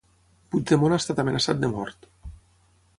Puigdemont ha estat amenaçat de mort